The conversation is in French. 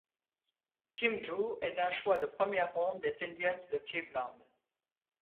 Tim Drew est un choix de première ronde des Indians de Cleveland.